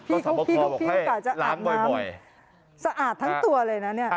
พี่ก็กะจะอาบน้ำสะอาดทั้งตัวเลยนะ